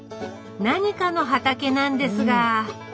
何かの畑なんですが。